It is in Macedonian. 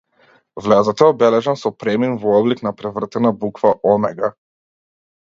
Влезот е обележан со премин во облик на превртена буква омега.